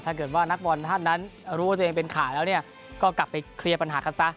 ถ้าเกิดว่านักบอลท่านนั้นรู้ว่าตัวเองเป็นข่าวแล้วเนี่ยก็กลับไปเคลียร์ปัญหากันซะ